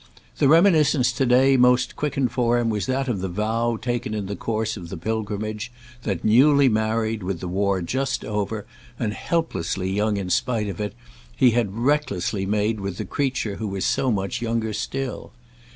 The reminiscence to day most quickened for him was that of the vow taken in the course of the pilgrimage that, newly married, with the War just over, and helplessly young in spite of it, he had recklessly made with the creature who was so much younger still.